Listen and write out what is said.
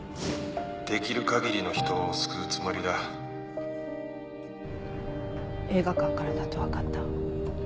☎できる限りの人を救うつもりだ映画館からだと分かった。